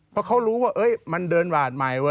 เพราะเขารู้ว่ามันเดินหวาดใหม่วะ